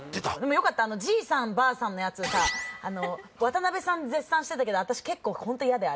よかったじいさんばあさんのやつ渡辺さん絶賛してたけど私結構ホント嫌だよ